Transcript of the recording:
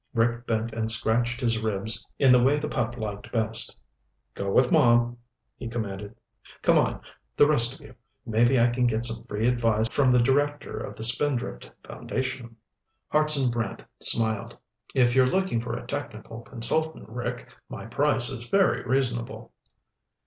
Rick bent and scratched his ribs in the way the pup liked best. "Go with Mom," he commanded. "Come on, the rest of you. Maybe I can get some free advice from the director of the Spindrift Foundation." Hartson Brant smiled. "If you're looking for a technical consultant, Rick, my price is very reasonable."